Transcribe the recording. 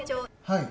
はい。